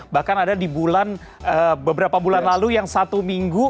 bahkan ada di bulan beberapa bulan lalu yang satu minggu